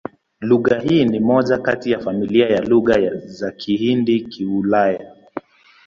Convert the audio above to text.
Lugha hii ni moja kati ya familia ya Lugha za Kihindi-Kiulaya.